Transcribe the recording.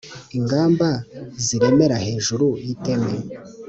Ingamba ziremera hejuru y’iteme.